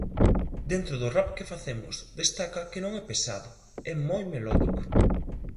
Dentro do rap que facemos destaca que non é pesado, é moi melódico.